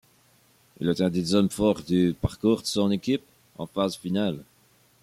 Il est un des hommes forts du parcours de son équipe en phase finale.